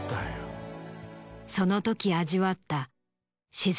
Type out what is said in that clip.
その時味わった。